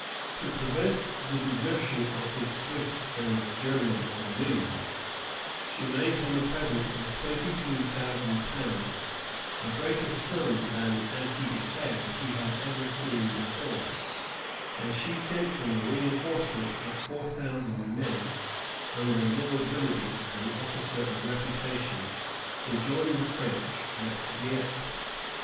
To prevent the desertion of his Swiss and German auxiliaries she made him a present of twenty two thousand pounds: a greater sum than, as he declared, he had ever seen before: and she sent him a reënforcement of four thousand men, under Lord Willoughby, an officer of reputation, who joined the French at Dieppe.